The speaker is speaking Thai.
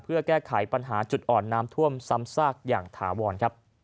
เพื่อแก้ไขปัญหาจุดอ่อนน้ำท่วมซ้ำซากอย่างถาวร